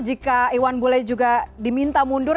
jika iwan bule juga diminta mundur